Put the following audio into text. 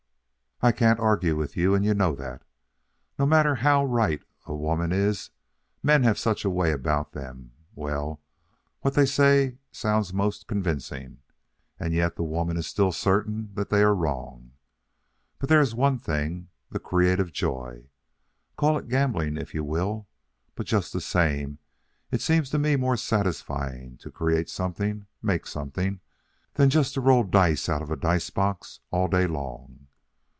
"I can't argue with you, and you know that. No matter how right a woman is, men have such a way about them well, what they say sounds most convincing, and yet the woman is still certain they are wrong. But there is one thing the creative joy. Call it gambling if you will, but just the same it seems to me more satisfying to create something, make something, than just to roll dice out of a dice box all day long.